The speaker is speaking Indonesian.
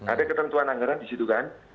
ada ketentuan anggaran di situ kan